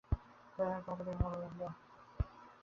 যাইহোক, তোমাকে দেখে ভাল লাগলো।